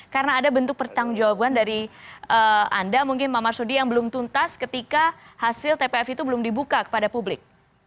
karena ada bentuk pertanggung jawaban dari anda mungkin pak marsudi yang belum tuntas ketika hasil tpf itu belum dibuka kepada publik